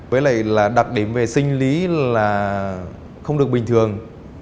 với lại là đặc điểm về sinh lý là không được bình thường